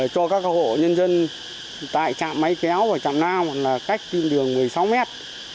cho các hộ nhân dân tại trạm máy kéo và trạm nao là cách tuyên đường một mươi sáu mét